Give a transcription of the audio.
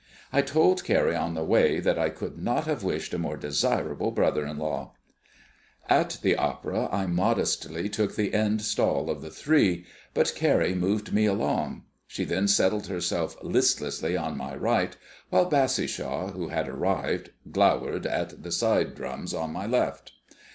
I told Carrie on the way that I could not have wished a more desirable brother in law. At the opera I modestly took the end stall of the three, but Carrie moved me along. She then settled herself listlessly on my right, while Bassishaw, who had arrived, glowered at the side drums on my left.